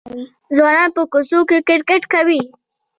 ځوانان په کوڅو کې کرکټ کوي.